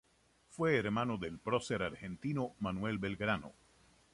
Fue hermano del prócer argentino Manuel Belgrano.